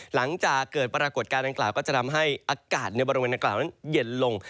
หลังจากเกิดปรากฏการณ์ดังกล่าวก็จะทำให้อากาศในบริเวณดังกล่าวนั้นเย็นลง